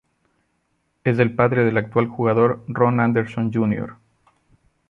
Es el padre del actual jugador Ron Anderson Jr.